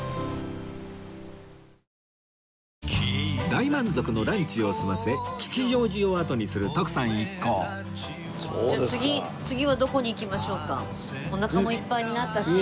大満足のランチを済ませ吉祥寺を後にする徳さん一行じゃあおなかもいっぱいになったし。